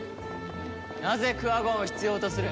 なぜクワゴンを必要とする？